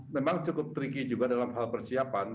memang cukup tricky juga dalam hal persiapan